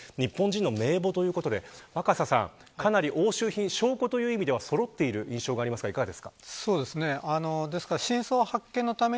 日本人の名簿ということで若狭さんかなり押収品、証拠という意味ではそろっている印象がありますがいかがですか。